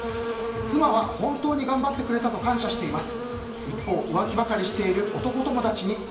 妻は本当に頑張ってくれたと感謝しています。